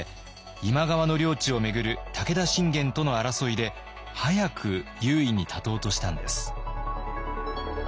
今川の領地を巡る武田信玄との争いで早く優位に立とうとしたんです。